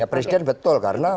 presiden betul karena